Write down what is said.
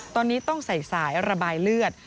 ตอนนี้ต้องใส่สายระบายเลือด